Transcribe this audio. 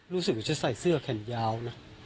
รู้สึกว่าจะใส่เสื้อแขนยาวนะ